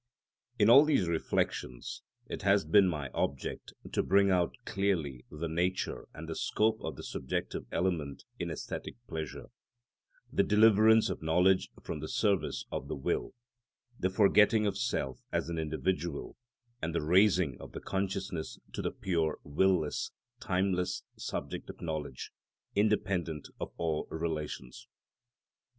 In all these reflections it has been my object to bring out clearly the nature and the scope of the subjective element in æsthetic pleasure; the deliverance of knowledge from the service of the will, the forgetting of self as an individual, and the raising of the consciousness to the pure will less, timeless, subject of knowledge, independent of all relations.